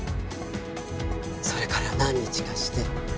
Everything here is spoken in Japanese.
それから何日かして。